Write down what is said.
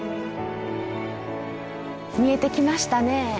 見えてきましたね。